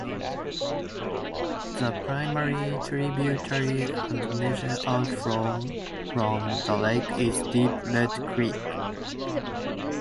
The primary tributary and major outflow from the lake is Deep Red Creek.